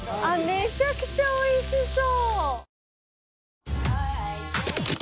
めちゃくちゃ美味しそう！